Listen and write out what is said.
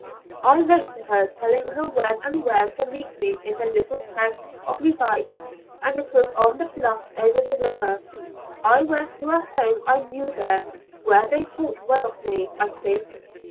"I wrote to her, telling her when and where to meet me in the little town of Leauvite, and it was on the bluff over the river. I went to a home I knew there where they thought well of me I think.